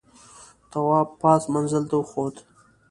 تواب پاس منزل ته وخوت.